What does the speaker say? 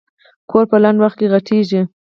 کور په لنډ وخت کې غټېږي.